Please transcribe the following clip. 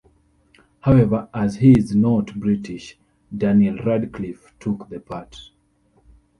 However, as he is not British, Daniel Radcliffe took the part.